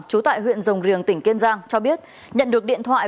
trú tại huyện rồng riềng tỉnh kiên giang cho biết nhận được điện thoại